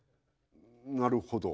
なるほど。